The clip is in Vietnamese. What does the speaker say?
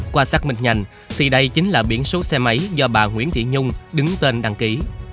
quan sát mịch nhanh thì đây chính là biển số xe máy do bà nguyễn thị nhung đứng tên đăng ký